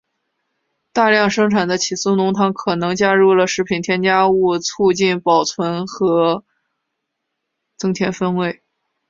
大量生产的起司浓汤可能加入了食品添加物促进保存与增添风味。